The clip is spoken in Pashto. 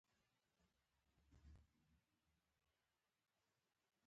آیا ایران د ورېښمو تولید نه کوي؟